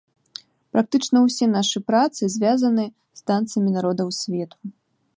Практычна ўсе нашы працы звязаны з танцамі народаў свету.